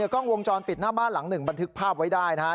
กล้องวงจรปิดหน้าบ้านหลังหนึ่งบันทึกภาพไว้ได้นะฮะ